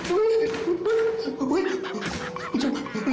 อุ๊ย